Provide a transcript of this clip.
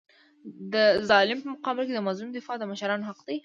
د ظالم په مقابل کي د مظلوم دفاع د مشرانو حق دی.